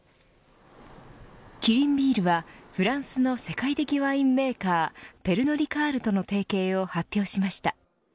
キリンビールはフランスの世界的ワインメーカーペルノ・リカールとの提携を発表しました。